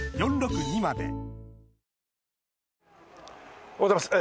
おはようございます。